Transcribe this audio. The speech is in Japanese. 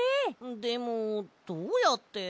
でもどうやって？